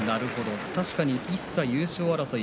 確かに優勝争い